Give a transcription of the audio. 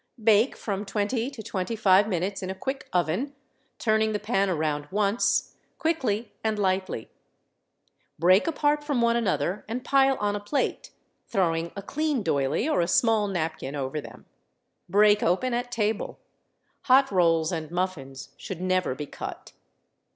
Bake from twenty to twenty five minutes in a quick oven, turning the pan around once, quickly and lightly. Break apart from one another and pile on a plate, throwing a clean doily or a small napkin over them. Break open at table. Hot rolls and muffins should never be cut.